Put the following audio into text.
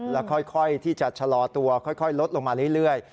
แล้วค่อยที่จะชะลอตัวค่อยลดลงมาเรื่อย